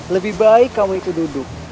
lebih baik kamu itu duduk